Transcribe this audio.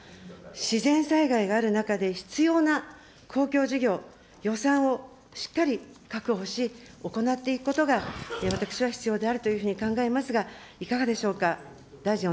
自然災害がある中で、必要な公共事業、予算をしっかり確保し、行っていくことが私は必要であるというふうに考えますが、いかがでしょうか。